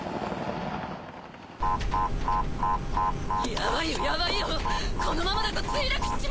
ヤバいよヤバいよこのままだと墜落しちまうよ！